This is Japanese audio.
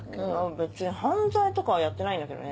別に犯罪とかはやってないんだけどね。